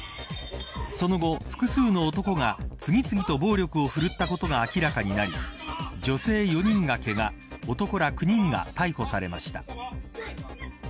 その後、複数の男が次々と暴力を振るったことが明らかになり女性４人がけが男ら９人が逮捕されました。